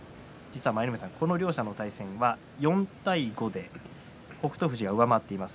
舞の海さん、この両者の対戦は４対５で北勝富士が上回っています。